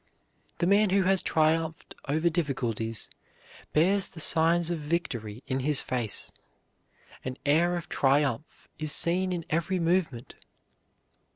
The man who has triumphed over difficulties bears the signs of victory in his face. An air of triumph is seen in every movement.